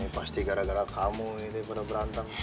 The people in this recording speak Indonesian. pasti gara gara kamu ini pada berantem